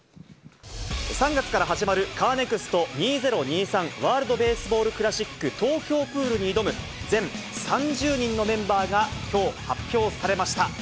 ３月から始まるカーネクスト・２０２３・ワールド・ベースボール・クラシック東京プールに挑む全３０人のメンバーがきょう、発表されました。